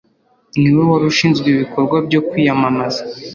Niwe wari ushinzwe ibikorwa byo kwiyamamaza